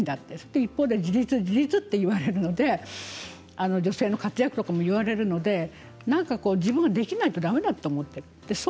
一方で自立、自立と言われる女性の活躍とか言われて自分もできないとだめだと思ってしまう。